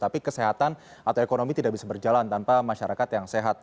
tapi kesehatan atau ekonomi tidak bisa berjalan tanpa masyarakat yang sehat